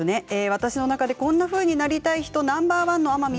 私の中でこんなふうになりたい人ナンバー１です。